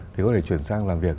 thì có thể chuyển sang làm việc